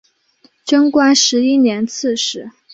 贞观十一年刺史。